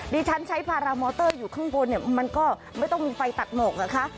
ดิฉันใช้พารามอเตอร์อยู่ข้างบนเนี่ยมันก็ไม่ต้องมีไฟตัดหมอกนะคะ